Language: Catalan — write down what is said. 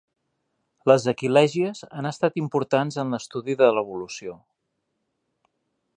Les aquilègies han estat importants en l'estudi de l'evolució.